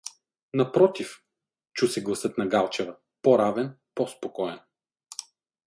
Напротив, чу се гласът на Галчева, по-равен, по–спокоен.